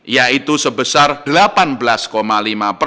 dan menurunan sebesar enam tiga pada desember dua ribu dua puluh